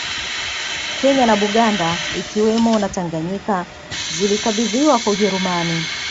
Kenya na Buganda ikiwemo na Tanganyika zilikabidhiwa kwa Ujerumani